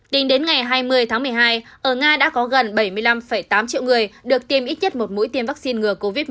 tính đến ngày hai mươi tháng một mươi hai ở nga đã có gần bảy mươi năm tám triệu người được tiêm ít nhất một mũi tiêm vaccine ngừa covid một mươi chín